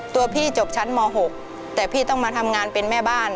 ตัวพี่จบชั้นม๖แต่พี่ต้องมาทำงานเป็นแม่บ้าน